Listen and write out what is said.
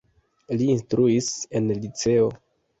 Li instruis en liceo.